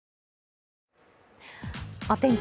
お天気